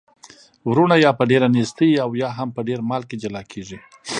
وروڼه یا په ډیره نیستۍ او یا هم په ډیر مال کي جلا کیږي.